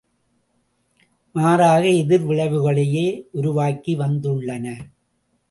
மாறாக எதிர் விளைவுகளையே உருவாக்கி வந்துள்ளன.